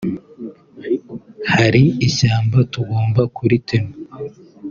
hari ishyamba tugomba kuritema